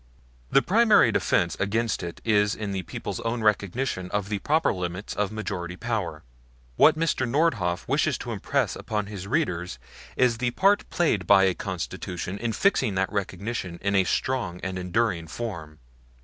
The primary defense against it is in the people's own recognition of the proper limits of majority power; what Mr. Nordhoff wished to impress upon his readers is the part played by a Constitution in fixing that recognition in a strong and enduring form.